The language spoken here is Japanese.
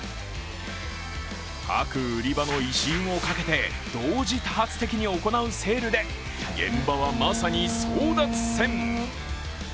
各売り場の威信をかけて、同時多発的に行うセールで、現場はまさに争奪戦。